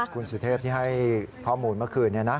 คุณสุเทพที่ให้ข้อมูลเมื่อคืนนี้นะ